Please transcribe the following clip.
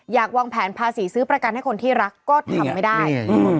วางแผนภาษีซื้อประกันให้คนที่รักก็ทำไม่ได้